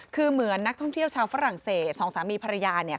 คือเหมือนนักท่องเที่ยวชาวฝรั่งเศสสองสามีภรรยา